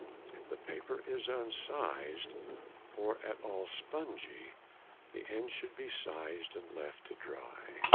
If the paper is unsized or at all spongy, the edge should be sized and left to dry.